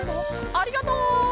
ありがとう！